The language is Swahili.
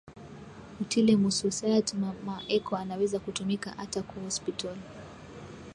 utile mu societe mama eko anaweza kutumika ata ku hospital